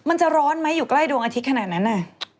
มันจะร้อนไหมอยู่ใกล้ดวงอาทิตย์ขนาดนั้นน่ะ